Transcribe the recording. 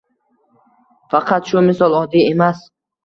Faqat bu misol oddiy emas.